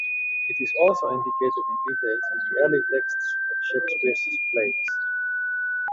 It is also indicated in details in the early texts of Shakespeare's plays.